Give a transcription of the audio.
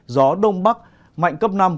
gió đông bắc mạnh cấp năm